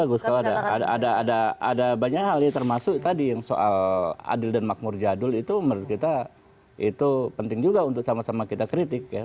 bagus kalau ada banyak hal termasuk tadi yang soal adil dan makmur jadul itu menurut kita itu penting juga untuk sama sama kita kritik ya